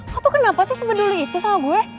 lo tuh kenapa sih sepeduli itu sama gue